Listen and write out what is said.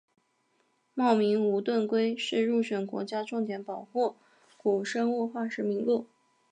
茂名无盾龟是入选国家重点保护古生物化石名录。